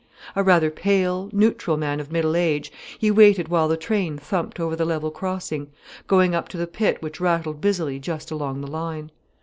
A rather pale, neutral man of middle age, he waited while the train thumped over the level crossing, going up to the pit which rattled busily just along the line.